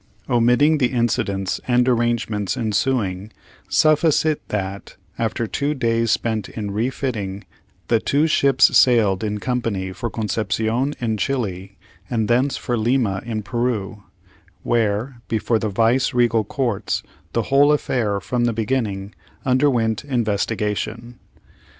Omitting the incidents and arrangements ensuing, suffice it that, after two days spent in refitting, the ships sailed in company for Conception, in Chili, and thence for Lima, in Peru; where, before the vice regal courts, the whole affair, from the beginning, underwent investigation.